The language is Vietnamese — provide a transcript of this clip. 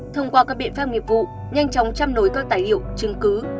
thông qua các biện pháp nghiệp vụ nhanh chóng chăm nối các tài liệu chứng cứ